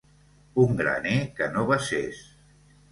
Un graner que no vessés